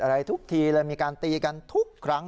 อะไรทุกทีเลยมีการตีกันทุกครั้ง